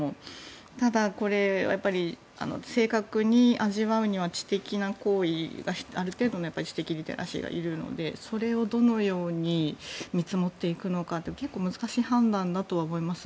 ただ、これは正確に味わうにはある程度の知的リテラシーがいるのでそれをどのように見積もっていくのかって結構難しい判断だとは思います。